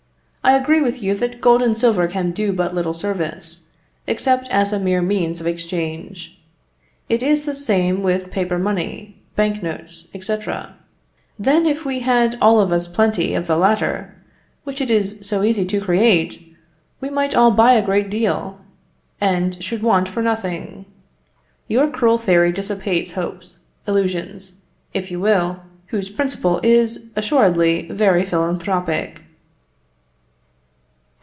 I agree with you that gold and silver can do but little service, except as a mere means of exchange. It is the same with paper money, bank notes, &c. Then, if we had all of us plenty of the latter, which it is so easy to create, we might all buy a great deal, and should want for nothing. Your cruel theory dissipates hopes, illusions, if you will, whose principle is assuredly very philanthropic.